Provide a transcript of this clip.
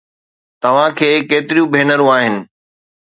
توهان کي ڪيتريون ڀينرون آهن؟